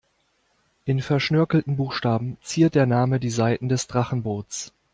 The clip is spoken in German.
In verschnörkelten Buchstaben ziert der Name die Seiten des Drachenboots.